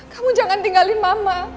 kamu jangan tinggalin mama